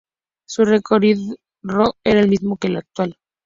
Su recorrido era el mismo que el actual.